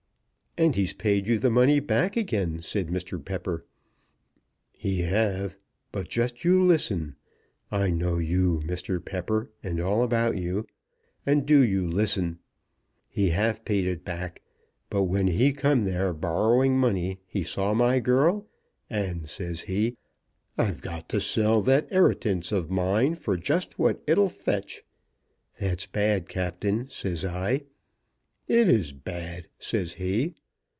"And he's paid you the money back again," said Mr. Pepper. "He have; but just you listen. I know you, Mr. Pepper, and all about you; and do you listen. He have paid it back. But when he come there borrowing money, he saw my girl; and, says he, 'I've got to sell that 'eritance of mine for just what it 'll fetch.' 'That's bad, Captain,' says I. 'It is bad,' says he.